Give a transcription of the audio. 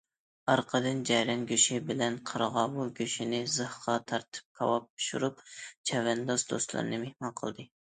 ئارقىدىن جەرەن گۆشى بىلەن قىرغاۋۇل گۆشىنى زىخقا تارتىپ كاۋاپ پىشۇرۇپ چەۋەنداز دوستلىرىنى مېھمان قىلدى.